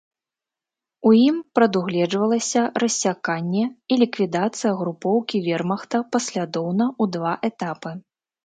У ім прадугледжвалася рассяканне і ліквідацыя групоўкі вермахта паслядоўна ў два этапы.